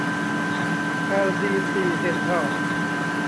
แอลดีซี เด็นทัล